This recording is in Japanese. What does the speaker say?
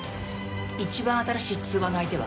一番新しい通話の相手は？